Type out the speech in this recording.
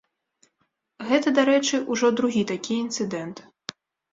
Гэта, дарэчы, ужо другі такі інцыдэнт.